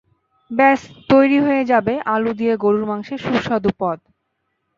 ব্যাস তৈরি হয়ে যাবে আলু দিয়ে গরুর মাংসের সুস্বাদু পদ।